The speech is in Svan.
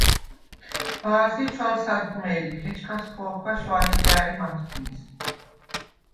ბა̄ზი ჩვალსადგვმე̄ლიხ, ეჩქას ხო̄ქვა შვანე ჯა̈რი მათხვმის: